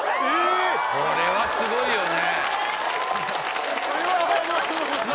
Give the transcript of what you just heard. これはすごいよね！